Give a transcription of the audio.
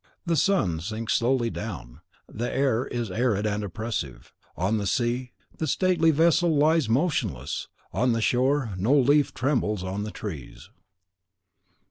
The sun sinks slowly down; the air is arid and oppressive; on the sea, the stately vessel lies motionless; on the shore, no leaf trembles on the trees.